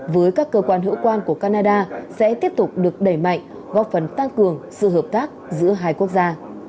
với các cơ quan hữu quan của canada sẽ tiếp tục được đẩy mạnh góp phần tăng cường sự hợp tác giữa hai quốc gia